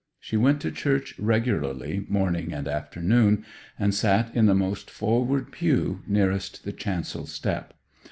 She went to church regularly morning and afternoon, and sat in the most forward pew, nearest the chancel step.